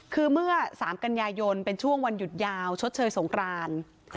คือเมื่อ๓กันยายนเป็นช่วงวันหยุดยาวชดเชยสงคราน